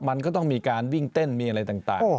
มันก็ต้องมีการวิ่งเต้นมีอะไรต่าง